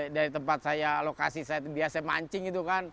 dari tempat saya lokasi saya biasa mancing gitu